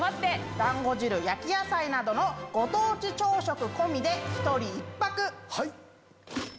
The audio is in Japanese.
だんご汁焼き野菜などのご当地朝食込みで１人１泊。